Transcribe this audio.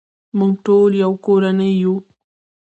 موږ ټول یو کورنۍ یو.